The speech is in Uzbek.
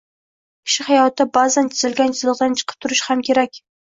Kishi hayotda ba’zan chizilgan chiziqdan chiqib turishni ham bilishi kerak